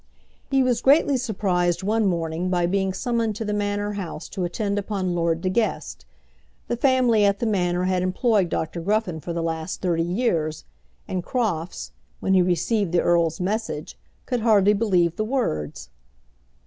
He was greatly surprised one morning by being summoned to the Manor House to attend upon Lord De Guest. The family at the Manor had employed Dr. Gruffen for the last thirty years, and Crofts, when he received the earl's message, could hardly believe the words.